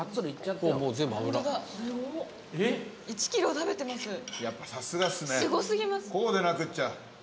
こうでなくっちゃ。